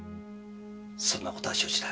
そんなことは承知だ。